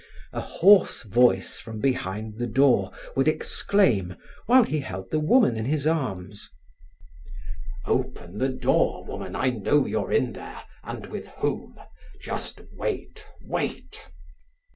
A hoarse voice from behind the door would exclaim, while he held the woman in his arms: "Open the door, woman, I know you're in there, and with whom. Just wait, wait!"